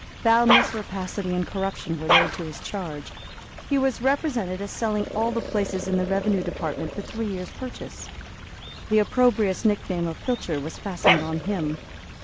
Boundless rapacity and corruption were laid to his charge. He was represented as selling all the places in the revenue department for three years' purchase. The opprobrious nickname of Filcher was fastened on him.